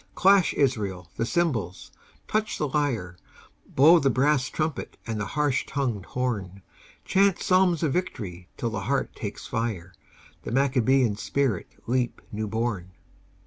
Clash, Israel, the cymbals, touch the lyre, Blow the brass trumpet and the harsh tongued horn; Chant psalms of victory till the heart takes fire, The Maccabean spirit leap new born.